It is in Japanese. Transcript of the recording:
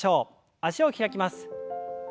脚を開きます。